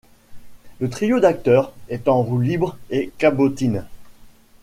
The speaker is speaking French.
Le trio d’acteurs est en roue libre et cabotine.